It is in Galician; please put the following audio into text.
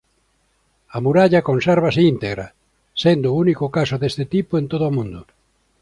A muralla consérvase íntegra, sendo o único caso deste tipo en todo o mundo.